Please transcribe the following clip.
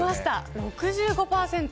６５％。